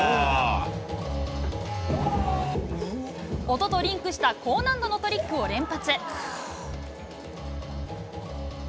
音とリンクした高難度のトリックを連発。